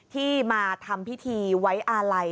ที่มาทำพิธีไว้อาลัย